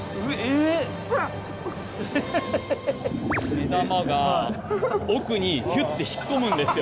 目玉が奥にひゅって引っ込むんですよ。